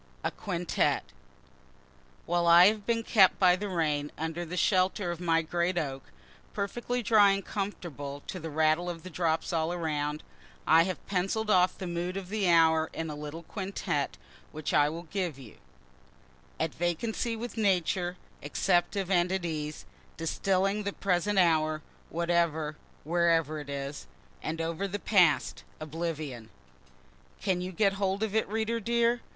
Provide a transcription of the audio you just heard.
A QUINTETTE While I have been kept by the rain under the shelter of my great oak, (perfectly dry and comfortable, to the rattle of the drops all around,) I have pencill'd off the mood of the hour in a little quintette, which I will give you: At vacancy with Nature, Acceptive and at ease, Distilling the present hour, Whatever, wherever it is, And over the past, oblivion. Can you get hold of it, reader dear?